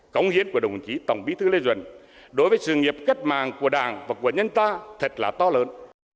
cống hiến của đồng chí tổng bí thư lê duẩn đối với sự nghiệp kết màng của đảng và của nhân ta thật là to lớn